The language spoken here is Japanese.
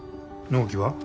納期は？